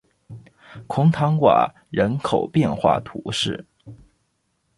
孔坦瓦人口变化图示